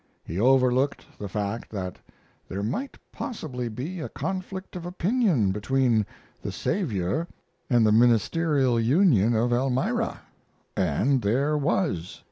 He overlooked the fact that there might possibly be a conflict of opinion between the Saviour and the Ministerial Union of Elmira. And there was.